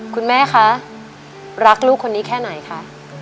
คุณแม่คะรักลูกคนนี้แค่ไหนคะ